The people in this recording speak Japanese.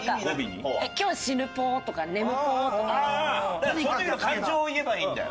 だからその時の感情を言えばいいんだよ。